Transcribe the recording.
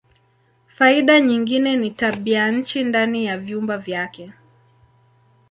Faida nyingine ni tabianchi ndani ya vyumba vyake.